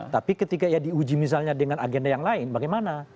tapi ketika ya diuji misalnya dengan agenda yang lain bagaimana